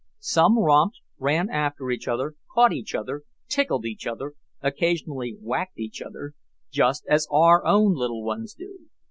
Some romped, ran after each other, caught each other, tickled each other, occasionally whacked each other just as our own little ones do.